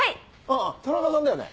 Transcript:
あ田中さんだよね？